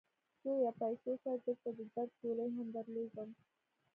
زویه! پیسو سره درته د درد ګولۍ هم درلیږم.